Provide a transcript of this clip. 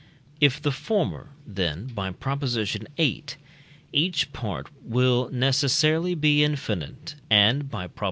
If the former, then (by Prop. viii.) each part will necessarily be infinite, and (by Prop.